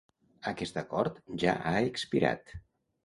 Aquest acord ja ha expirat.